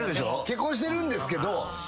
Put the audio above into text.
結婚してるんですけど。